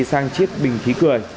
sang chiết bình khí cười